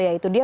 ya itu dia